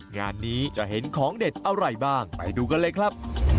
งานนี้จะเห็นของเด็ดอะไรบ้างไปดูกันเลยครับ